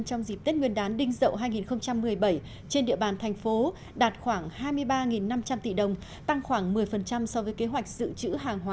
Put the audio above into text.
trong dịp tết nguyên đán đinh dậu hai nghìn một mươi bảy trên địa bàn thành phố đạt khoảng hai mươi ba năm trăm linh tỷ đồng